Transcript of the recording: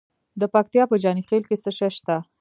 د پکتیا په جاني خیل کې څه شی شته؟